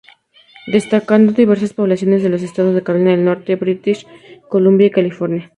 Destacando diversas poblaciones de los estados de Carolina del Norte, British Columbia y California.